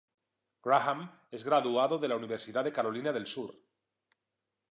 Graham es graduado de la Universidad de Carolina del Sur.